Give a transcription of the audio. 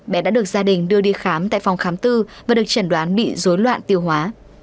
bé đã được gia đình đưa đi khám tại phòng khám tư và được chẩn đoán bị dối loạn tiêu hóa